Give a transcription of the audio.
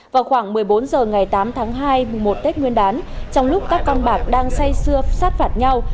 vào khoảng một mươi bốn h ngày tám tháng hai một tết nguyên đán trong lúc các con bạc đang say xưa sát phạt nhau